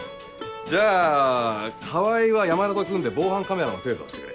じゃあ川合は山田と組んで防犯カメラの精査をしてくれ。